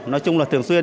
nói chung là thường xuyên